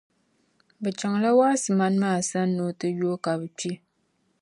Bɛ chaŋla Waasimani maa sani ni o ti yooi ba ka bɛ kpe.